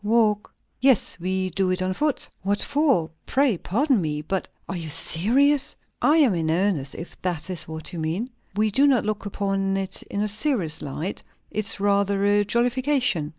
"Walk!" "Yes. We do it on foot." "What for? Pray, pardon me! But are you serious?" "I am in earnest, if that is what you mean. We do not look upon it in a serious light. It's rather a jollification."